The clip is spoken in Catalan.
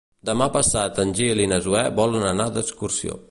Demà passat en Gil i na Zoè volen anar d'excursió.